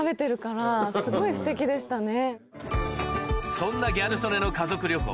そんなギャル曽根の家族旅行